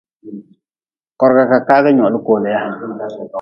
Korga ka kagi nyoli kolea.